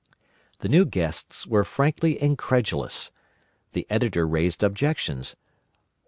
The new guests were frankly incredulous. The Editor raised objections.